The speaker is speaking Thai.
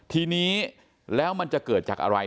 ทีนี้แล้วมันจะเกิดจากอะไร